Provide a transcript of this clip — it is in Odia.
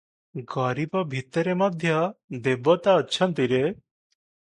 ଗରିବ ଭିତରେ ମଧ୍ୟ ଦେବତା ଅଛନ୍ତି ରେ!